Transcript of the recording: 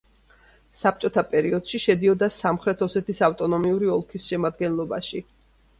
საბჭოთა პერიოდში შედიოდა სამხრეთ ოსეთის ავტონომიური ოლქის შემადგენლობაში.